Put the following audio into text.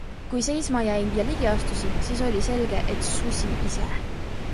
Kui seisma jäin ja ligi astusin, siis oli selge, et susi ise.